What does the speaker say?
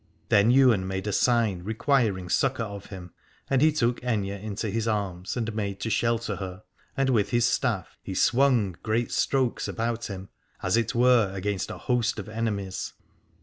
Then Ywain made a sign requiring succour of him : and he took Aithne into his arms and made to shelter her, and with his staff he swung great strokes about him, as it were 216 Aladore against a host of enemies.